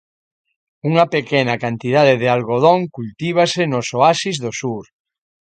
Unha pequena cantidade de algodón cultívase nos oasis do sur.